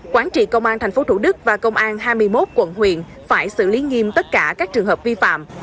quán trị công an tp thủ đức và công an hai mươi một quận huyện phải xử lý nghiêm tất cả các trường hợp vi phạm